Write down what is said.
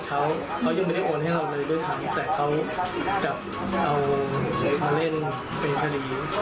เขามีคด้วยแต่เขาก็จับเอามาเล่นเป็นพลี